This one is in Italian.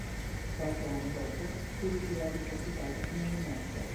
Qualche anno dopo si ritirò a vita privata fino alla morte.